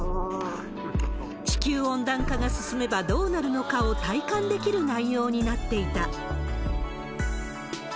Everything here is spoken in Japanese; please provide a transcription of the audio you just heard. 地球温暖化が進めばどうなるのかを体感できる内容になっていた。